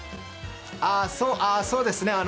ああ、そうですね。